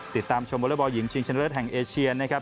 ติดตามชมวอเลอร์บอลหญิงชิงชนะเลิศแห่งเอเชียนะครับ